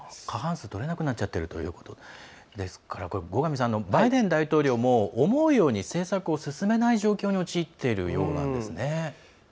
過半数がとれなくなっちゃっているということですから後上さん、バイデン大統領も政策を思うように進めない状況に陥っているようなんですね。